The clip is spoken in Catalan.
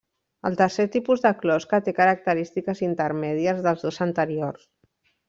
El tercer tipus de closca té característiques intermèdies dels dos anteriors.